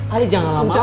aduh jangan lama dua